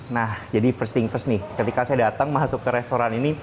nah jadi first thing first nih ketika saya datang masuk ke restoran ini